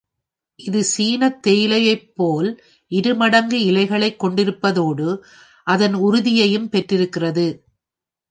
இது சீனத் தேயிலையைப்போல் இருமடங்கு இலைகளைக் கொண்டிருப்பதோடு, அதன் உறுதியையும் பெற்றிருக்கிறது.